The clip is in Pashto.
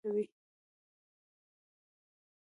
د زیاتې ترشح له امله د ونې قد جګوالی پیدا کوي.